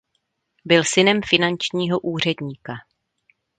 Byl synem finančního úředníka.